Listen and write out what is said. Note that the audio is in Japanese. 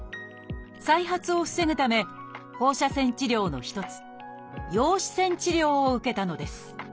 再発を防ぐため放射線治療の一つ「陽子線治療」を受けたのです。